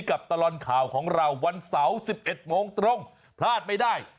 ตลอดข่าวของเราวันเสาร์๑๑โมงตรงพลาดไม่ได้